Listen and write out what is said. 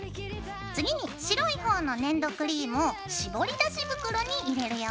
次に白い方の粘土クリームをしぼり出し袋に入れるよ。